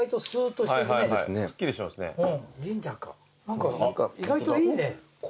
何か意外といいね。